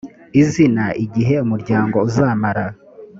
izina igihe umuryango uzamara